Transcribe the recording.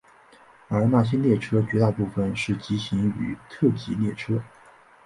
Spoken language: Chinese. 而那些列车绝大部分是急行与特急列车。